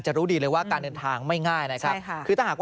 รู้ดีเลยว่าการเดินทางไม่ง่ายนะครับ